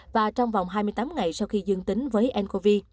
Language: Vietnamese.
và trong vòng hai mươi tám ngày sau khi dương tính với ncov